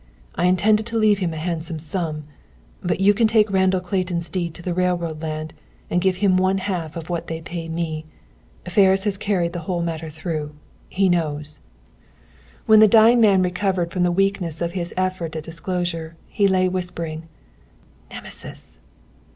I intended to leave him a handsome sum. But you can take Randall Clayton's deed to the railroad land and give him one half of what they pay me. Ferris has carried the whole matter through. He knows." When the dying man recovered from the weakness of his effort at disclosure, he lay whispering, "Nemesis!